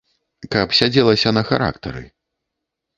Каб сядзелася на характары.